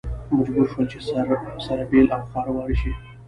مجبور شول چې سره بېل او خواره واره شي.